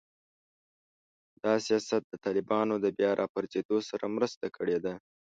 دا سیاست د طالبانو د بیا راپاڅېدو سره مرسته کړې ده